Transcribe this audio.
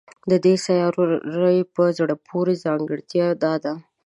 د دې سیارې په زړه پورې ځانګړتیا دا ده